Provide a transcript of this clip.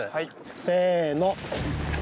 せの。